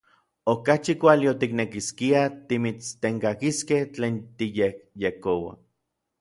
Okachi kuali otiknekiskiaj timitstenkakiskej tlen tikyejyekoua.